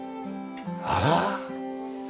あら？